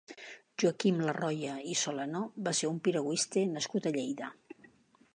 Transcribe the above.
Joaquim Larroya i Solano va ser un piragüista nascut a Lleida.